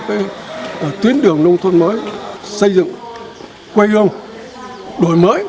tiến đường nông thôn mới xây dựng quay hương đổi mới